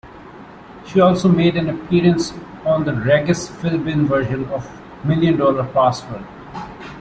She also made an appearance on the Regis Philbin version of "Million Dollar Password".